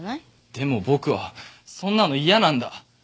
でも僕はそんなの嫌なんだ！